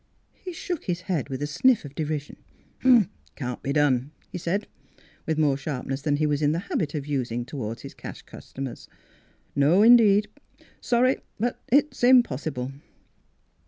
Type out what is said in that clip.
He shook his head, with a sniff of de rision. " It can't be done," he said with more sharpness than he was in the habit of us ing toward his cash customers. " No, in deed. Sorry, but it's impossible."